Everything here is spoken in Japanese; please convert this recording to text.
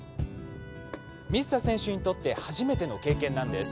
水田選手にとって初めての経験なんです。